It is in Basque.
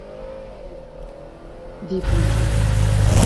Bi puntu